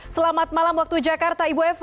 selamat malam waktu jakarta ibu eva